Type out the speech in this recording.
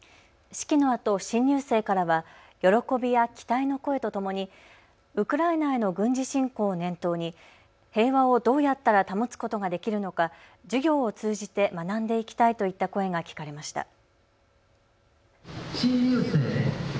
式のあと新入生からは喜びや期待の声とともにウクライナへの軍事侵攻を念頭に平和をどうやったら保つことができるのか授業を通じて学んでいきたいといった声が聞かれました。